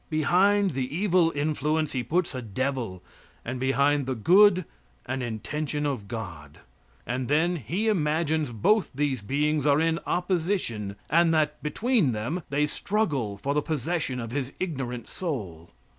Behind the evil influence he puts a devil, and behind the good, an intention of God; and then he imagines both these beings are in opposition, and that, between them, they struggle for the possession of his ignorant soul.